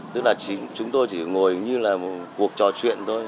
tức là chúng tôi chỉ ngồi như là một cuộc trò chuyện thôi